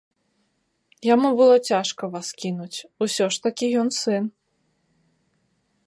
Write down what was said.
Яму было цяжка вас кінуць, усё ж такі ён сын.